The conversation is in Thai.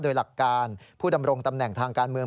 โดยหลักการผู้ดำรงตำแหน่งทางการเมือง